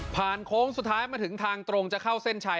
โค้งสุดท้ายมาถึงทางตรงจะเข้าเส้นชัย